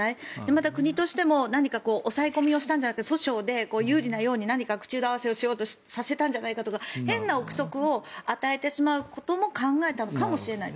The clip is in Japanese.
また、国として何か抑え込みをしたんじゃないか訴訟で有利なように口裏合わせをさせたんじゃないかとか変な臆測を与えてしまうことも考えたのかもしれない。